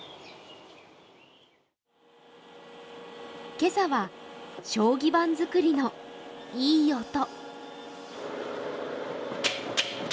今朝は将棋盤作りのいい音。